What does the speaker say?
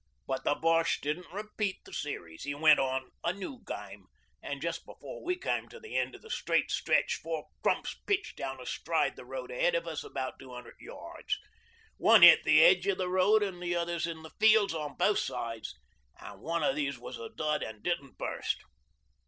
But the Boshe didn't repeat the series; he went on a new game an' just afore we came to the end o' the straight stretch four crumps pitched down astride the road ahead of us about two hundred yards. One hit the edge o' the road an' the others in the fields on both sides an' one of these was a dud an' didn't burst.